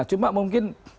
nah cuma mungkin